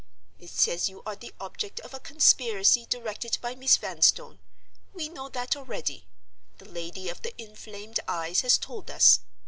It says you are the object of a conspiracy directed by Miss Vanstone. We know that already—the lady of the inflamed eyes has told us.